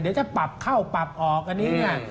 เดี๋ยวจะปรับเข้าปรับออกอันนี้เนี่ย